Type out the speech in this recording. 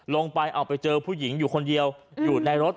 ไปเอาไปเจอผู้หญิงอยู่คนเดียวอยู่ในรถ